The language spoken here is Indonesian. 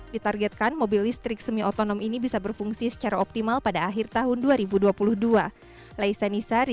ditargetkan mobil listrik semi otonom ini bisa berfungsi secara optimal pada akhir tahun dua ribu dua puluh dua